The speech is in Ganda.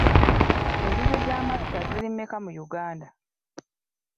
Enzizi z'amafuta ziri mmeka mu Uganda?